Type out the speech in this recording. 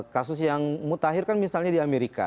kasus yang mutakhir kan misalnya di amerika